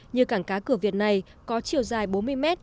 như cảng cá cửa việt này có chiều dài bốn mươi mét